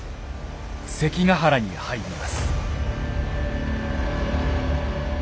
関ヶ原に入ります。